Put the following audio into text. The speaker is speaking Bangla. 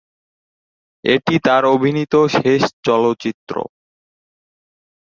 এটি তার অভিনীত শেষ চলচ্চিত্র।